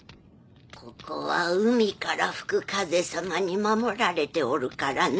ここは海から吹く風様に守られておるからのう。